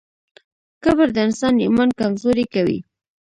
کبر د انسان ایمان کمزوری کوي.